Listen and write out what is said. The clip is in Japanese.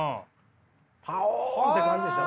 パオンって感じですよ。